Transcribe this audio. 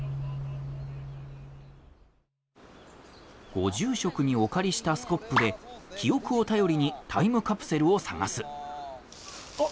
ご住職にお借りしたスコップで記憶を頼りにタイムカプセルを探す。